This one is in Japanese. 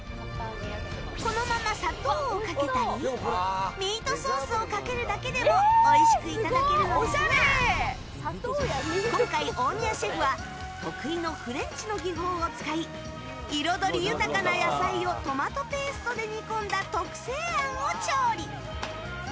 このまま、砂糖をかけたりミートソースをかけるだけでもおいしくいただけるのですが今回、大宮シェフは得意のフレンチの技法を使い彩り豊かな野菜をトマトペーストで煮込んだ特製あんを調理。